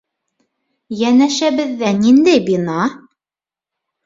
Йәнәшәбеҙҙә ниндәй бина?